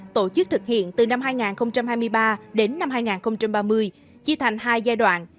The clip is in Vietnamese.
tổ chức thực hiện từ năm hai nghìn hai mươi ba đến năm hai nghìn ba mươi chia thành hai giai đoạn